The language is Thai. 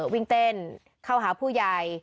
วิ่งเต้นเข้าหาผู้ใหญ่